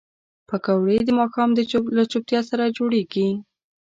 پکورې د ماښام له چوپتیا سره جوړېږي